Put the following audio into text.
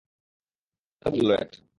কে বলল এটা?